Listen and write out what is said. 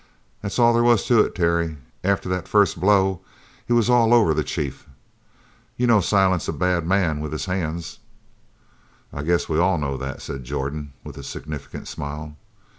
That's all there was to it, Terry. After the first blow, he was all over the chief. You know Silent's a bad man with his hands?" "I guess we all know that," said Jordan, with a significant smile.